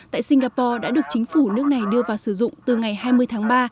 tại singapore đã được chính phủ nước này đưa vào sử dụng từ ngày hai mươi tháng ba